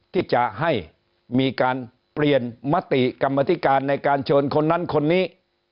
ที่จะให้มีการเปลี่ยนมติกรรมธิการในการเชิญคนนั้นคนนี้